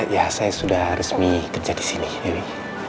ya saya sudah resmi kerja di sini ini